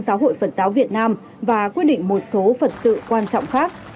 giáo hội phật giáo việt nam và quyết định một số phật sự quan trọng